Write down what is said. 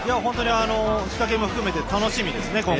仕掛けも含めて楽しみですね、今後。